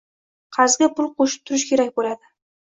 qarzga pul qo‘shib turish kerak bo‘ladi.